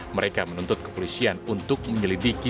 mereka menuntut kepolisian untuk menyelidiki